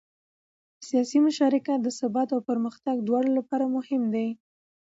سیاسي مشارکت د ثبات او پرمختګ دواړو لپاره مهم دی